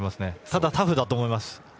ただ、タフだと思います。